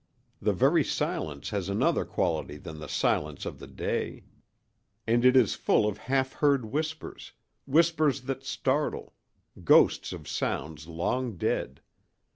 The very silence has another quality than the silence of the day. And it is full of half heard whispers—whispers that startle—ghosts of sounds long dead.